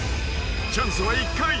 ［チャンスは１回。